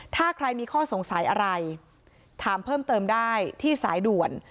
ถ้าใครมีข้อสงสัยอะไรถามเพิ่มเติมได้ที่สายด่วน